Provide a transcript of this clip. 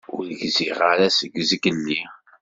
Ur gziɣ kra seg zgelli.